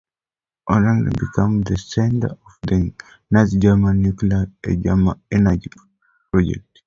Oranienburg became the center of Nazi Germany's nuclear-energy project.